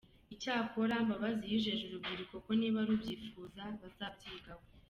Icyakora, Mbabazi yijeje urubyiruko ko niba rubyifuza bazabyigaho.